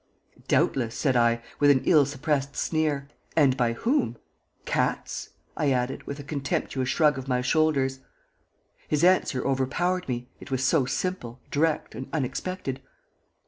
"Doubtless," said I, with an ill suppressed sneer. "And by whom? Cats?" I added, with a contemptuous shrug of my shoulders. His answer overpowered me, it was so simple, direct, and unexpected.